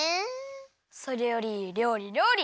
それよりりょうりりょうり！